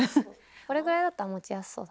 これぐらいだったら持ちやすそう。